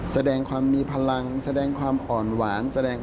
แสดงความมีพลังแสดงความอ่อนหวานแสดง